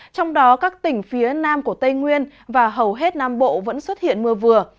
trong đó các tỉnh phía nam của tây nguyên và hầu hết nam bộ vẫn xuất hiện mưa vừa